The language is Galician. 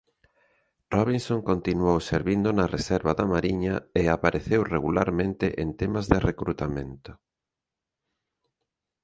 Robinson continuou servindo na reserva da Mariña e apareceu regularmente en temas de recrutamento.